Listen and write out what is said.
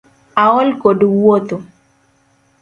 Aol kod wuotho